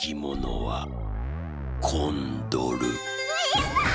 やった！